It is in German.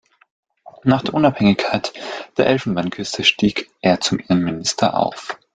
Nach der Unabhängigkeit der Elfenbeinküste stieg er zum Innenminister auf.